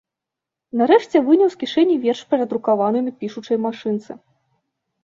Нарэшце выняў з кішэні верш, перадрукаваны на пішучай машынцы.